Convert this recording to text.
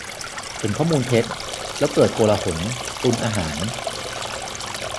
- เห็นข้อมูลเท็จ แล้วเกิดโกลาหล-ตุนอาหาร